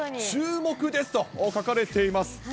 注目ですと書かれています。